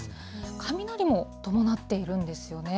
雷も伴っているんですよね。